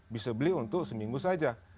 bisa beli untuk seminggu saja